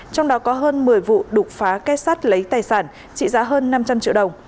trong đó có hơn một mươi vụ đục phá kết sát lấy tài sản trị giá hơn năm trăm linh triệu đồng